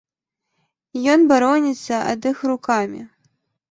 Ён бароніцца ад іх рукамі.